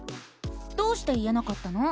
どうして言えなかったの？